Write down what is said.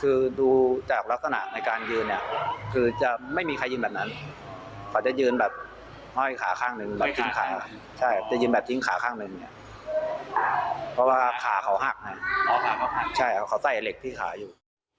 คือดูจากลักษณะในการยืนเนี่ยคือจะไม่มีใครยืนแบบนั้นเขาจะยืนแบบห้อยขาข้างหนึ่งแบบทิ้งขาใช่จะยืนแบบทิ้งขาข้างหนึ่งเนี่ยเพราะว่าขาเขาหักใช่ครับเขาใส่เหล็กที่ขาอยู่